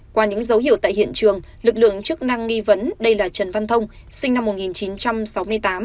qua những dấu hiệu tại hiện trường lực lượng chức năng nghi vấn đây là trần văn thông sinh năm một nghìn chín trăm sáu mươi tám